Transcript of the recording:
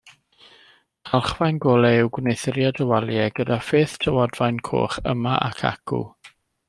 Calchfaen golau yw gwneuthuriad y waliau, gyda pheth tywodfaen coch yma ac acw.